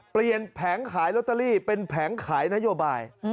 แผงขายลอตเตอรี่เป็นแผงขายนโยบาย